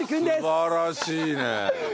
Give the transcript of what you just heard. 素晴らしいね。